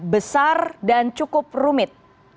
besar dan cukup rumit